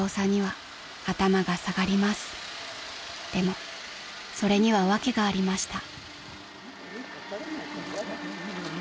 ［でもそれには訳がありました］